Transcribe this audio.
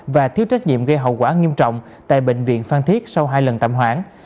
và thiếu trách nhiệm gây hậu quả nghiêm trọng tại bệnh viện phan thiết sau hai lần tạm hoãn